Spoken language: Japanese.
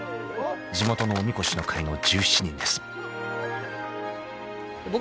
［地元のおみこしの会の１７人です］